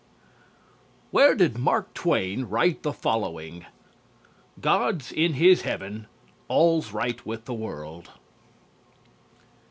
Where did Mark Twain write the following? "_God's in his heaven: All's right with the world.